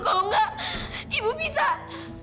kalau enggak ibu pisah